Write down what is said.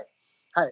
はい。